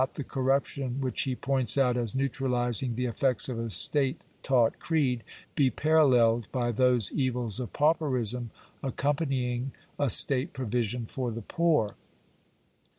the corruption which he points out as neutralizing the effects of a state taught creed, be paralleled by those evils of pauperism accompanying a state provision for the poor